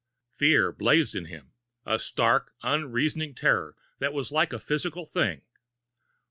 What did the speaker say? Fear blazed in him a stark, unreasoning terror that was like a physical thing.